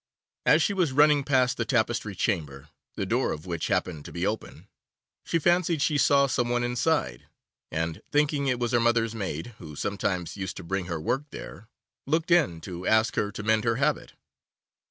As she was running past the Tapestry Chamber, the door of which happened to be open, she fancied she saw some one inside, and thinking it was her mother's maid, who sometimes used to bring her work there, looked in to ask her to mend her habit.